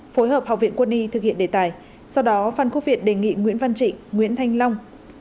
phối hợp học viện quân y thực hiện đề tài sau đó phan quốc việt đề nghị nguyễn văn trịnh nguyễn thanh long